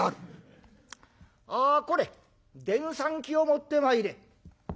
あこれ電算機を持ってまいれ」。